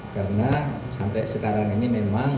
karena sampai sekarang ini memang